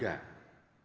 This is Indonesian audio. bukan untuk keluarga